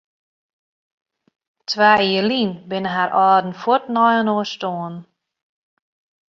Twa jier lyn binne har âlden fuort nei inoar stoarn.